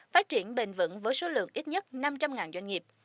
phát triển bền vững với số lượng ít nhất năm trăm linh doanh nghiệp